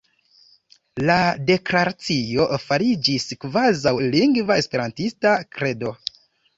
La Deklaracio fariĝis kvazaŭ lingva esperantista "Kredo".